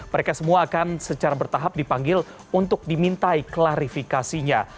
mereka semua akan secara bertahap dipanggil untuk dimintai klarifikasinya